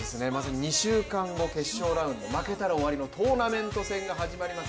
２週間後、決勝ラウンド、負けたら終わりのトーナメント戦が始まります。